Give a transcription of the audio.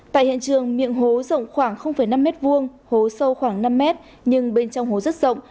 tại hiện trường miệng hố rộng khoảng năm m hai hố sâu khoảng năm mét nhưng bên trong hố rất rộng